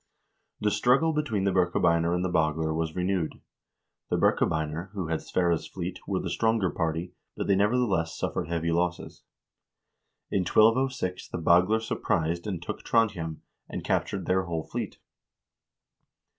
1 The struggle between the Birkebeiner and the Bagler was renewed. The Birkebeiner, who had Sverre's fleet, were the stronger party, but they nevertheless suffered heavy losses. In 1206 the Bagler surprised and took Trondhjem, and captured their whole fleet.